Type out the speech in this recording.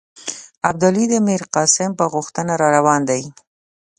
ابدالي د میرقاسم په غوښتنه را روان دی.